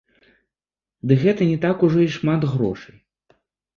Ды гэта не так ужо і шмат грошай.